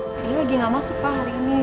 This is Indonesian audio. lagi gak masuk pak hari ini